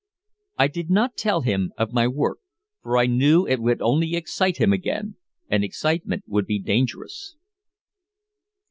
I did not tell him of my work, for I knew it would only excite him again, and excitement would be dangerous.